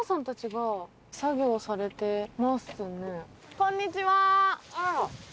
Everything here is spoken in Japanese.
こんにちは！